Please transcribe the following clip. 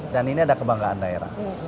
dan ini ada kebanggaan daerah